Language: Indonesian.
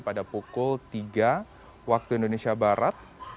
pada pukul tiga waktu indonesia barat